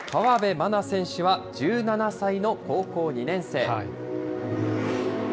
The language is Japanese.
河辺愛菜選手は１７歳の高校２年生。